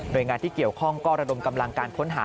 โดยงานที่เกี่ยวข้องก็ระดมกำลังการค้นหา